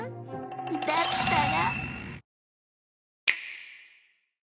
だったら。